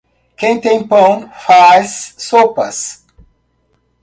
Quem tem pão, faz sopas.